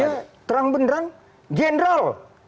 dia terang beneran general